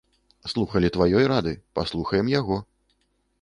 Слухалі тваёй рады, паслухаем яго.